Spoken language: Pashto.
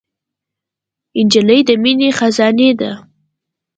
نجلۍ د مینې خزانې ده.